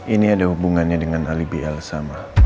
ini ada hubungannya dengan alibi elsa